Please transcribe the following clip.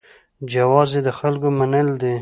جواز یې د خلکو منل دي.